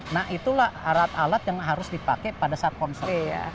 nah itulah alat alat yang harus dipakai pada saat konflik ya